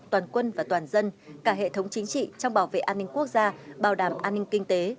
toàn quân và toàn dân cả hệ thống chính trị trong bảo vệ an ninh quốc gia bảo đảm an ninh kinh tế